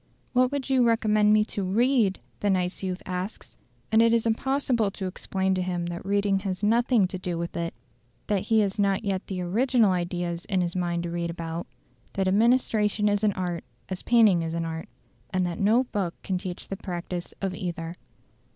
"What would you recommend me to READ?" the nice youth asks; and it is impossible to explain to him that reading has nothing to do with it, that he has not yet the original ideas in his mind to read about; that administration is an art as painting is an art; and that no book can teach the practice of either.